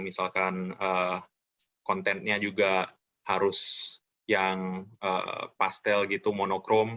misalkan kontennya juga harus yang pastel gitu monochrome